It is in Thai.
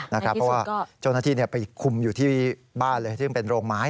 เพราะว่าเจ้าหน้าที่ไปคุมอยู่ที่บ้านเลยซึ่งเป็นโรงไม้